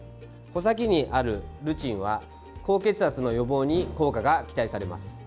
穂先にあるルチンは高血圧の予防に効果が期待。